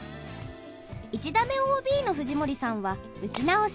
１打目ＯＢの藤森さんは打ち直し。